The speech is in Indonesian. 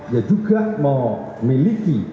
ya juga memiliki